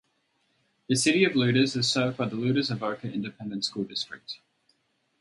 The city of Lueders is served by the Lueders-Avoca Independent School District.